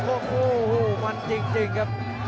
โอ้โหมันจริงครับ